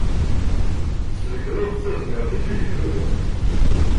Tesbeggneḍ-d tazmert-ik i yigduden.